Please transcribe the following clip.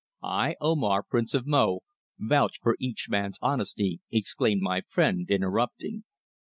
"I, Omar, Prince of Mo, vouch for each man's honesty," exclaimed my friend, interrupting.